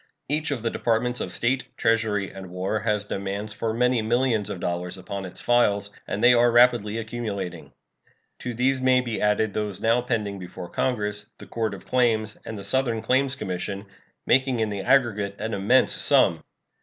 Each of the Departments of State, Treasury, and War has demands for many millions of dollars upon its files, and they are rapidly accumulating. To these may be added those now pending before Congress, the Court of Claims, and the Southern Claims Commission, making in the aggregate an immense sum.